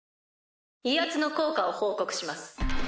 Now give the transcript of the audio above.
威圧の効果を報告します。